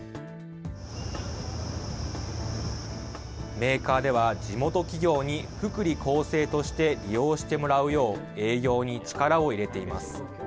メーカーでは地元企業に福利厚生として利用してもらうよう営業に力を入れています。